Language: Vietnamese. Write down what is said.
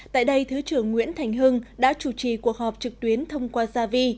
tại đây thứ trưởng nguyễn thành hưng đã chủ trì cuộc họp trực tuyến thông qua gia vi